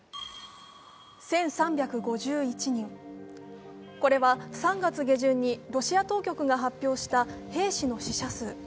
１３５１人、これは３月下旬にロシア当局が発表した兵士の死者数。